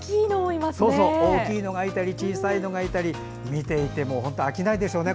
大きいのがいたり小さいのがいたり見ていて飽きないでしょうね。